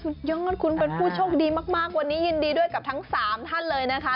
สุดยอดคุณเป็นผู้โชคดีมากวันนี้ยินดีด้วยกับทั้ง๓ท่านเลยนะคะ